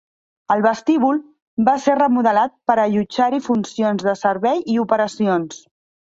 El vestíbul va ser remodelat per allotjar-hi funcions de servei i operacions.